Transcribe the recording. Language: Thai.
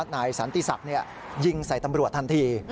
นายสันติศักดิ์ยิงใส่ตำรวจทันที